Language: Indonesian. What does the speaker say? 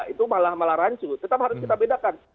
itu malah malah rancu tetap harus kita bedakan